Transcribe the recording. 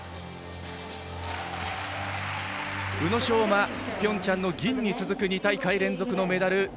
宇野昌磨、平昌の銀に続く２大会連続のメダル。